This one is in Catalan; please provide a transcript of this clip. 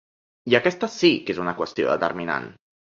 I aquesta sí que és una qüestió determinant.